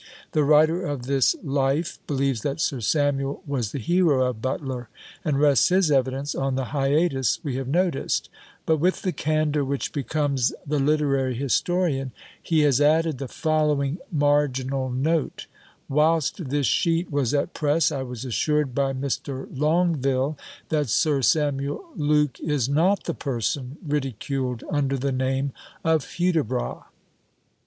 The writer of this Life believes that Sir Samuel was the hero of Butler, and rests his evidence on the hiatus we have noticed; but with the candour which becomes the literary historian, he has added the following marginal note: "Whilst this sheet was at press, I was assured by Mr. Longueville, that Sir Samuel Luke is not the person ridiculed under the name of HUDIBRAS."